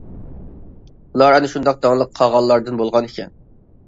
ئۇلار ئەنە شۇنداق داڭلىق قاغانلاردىن بولغان ئىكەن.